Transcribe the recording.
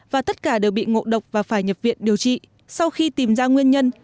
và tất cả đều bị ngộ độc và phải nhập viện điều trị sau khi tìm ra nguyên nhân